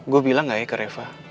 gue bilang gak ya ke reva